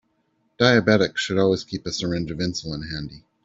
Diabetics should always keep a syringe of insulin handy.